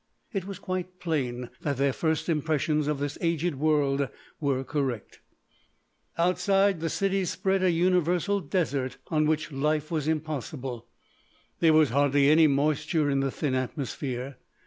It was quite plain that their first impressions of this aged world were correct. Outside the cities spread a universal desert on which life was impossible. There was hardly any moisture in the thin atmosphere.